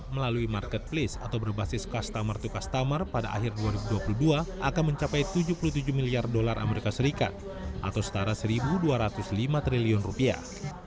melalui marketplace atau berbasis customer to customer pada akhir dua ribu dua puluh dua akan mencapai tujuh puluh tujuh miliar dolar as atau setara satu dua ratus lima triliun rupiah